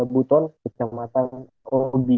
buton kecamatan obi